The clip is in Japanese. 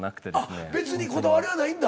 あっ別にこだわりはないんだ。